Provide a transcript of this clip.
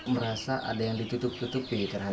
merasa ada yang ditutup tutupi terhadap anda